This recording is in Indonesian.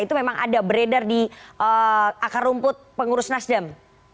itu memang ada beredar di akar rumput pengurus nasdem